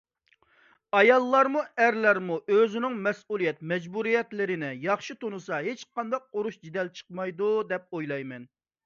ئاياللارمۇ، ئەرلەرمۇ ئۆزىنىڭ مەسئۇلىيەت، مەجبۇرىيەتلىرىنى ياخشى تونۇسا ھېچقانداق ئۇرۇش-جېدەل چىقمايدۇ دەپ ئويلايمەن.